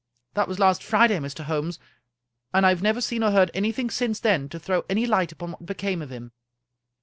That was last Friday, Mr. Holmes, and I have never seen or heard anything since then to throw any light upon what became of him."